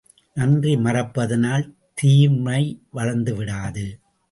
நன்றி மறப்பதனால் தீமை வளர்ந்து விடாது.